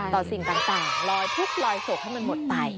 ต่อสิ่งต่างรอยพุกรอยโศกให้มันหมดไป